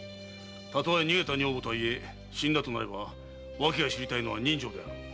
たとえ逃げた女房とはいえ死んだとなれば訳を知りたいのは人情であろう。